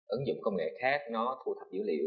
ứng dụng công nghệ khác nó thu thập dữ liệu